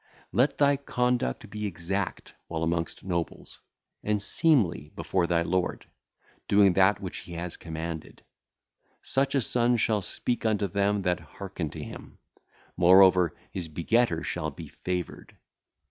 Let thy conduct be exact while amongst nobles, and seemly before thy lord, doing that which he hath commanded. Such a son shall speak unto them that hearken to him; moreover, his begetter shall be favoured.